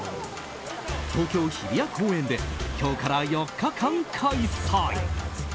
東京・日比谷公園で今日から４日間開催。